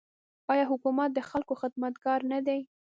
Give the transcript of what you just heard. آیا حکومت د خلکو خدمتګار نه دی؟